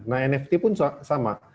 nah nft pun sama